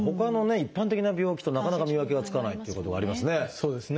一般的な病気となかなか見分けがつかないということがありますね。